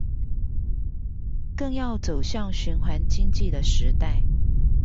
更要走向循環經濟的時代